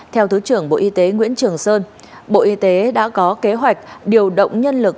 theo thứ trưởng bộ y tế nguyễn trường sơn bộ y tế đã có kế hoạch điều động nhân lực